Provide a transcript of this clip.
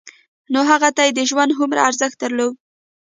نو هغه ته يې د ژوند هومره ارزښت درلود.